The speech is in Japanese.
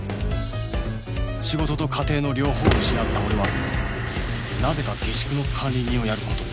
仕事と家庭の両方を失った俺はなぜか下宿の管理人をやる事に